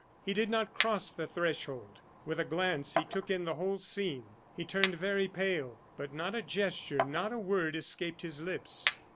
He did not cross the threshold. With a glance he took in the whole scene; he turned very pale, but not a gesture, not a word escaped his lips.